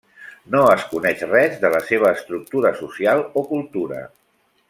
No es coneix res de la seva estructura social o cultura.